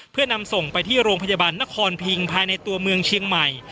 เพื่อนำส่งไปที่โรงพยาบาลนครพิงภายในตัวเมืองเชียงใหม่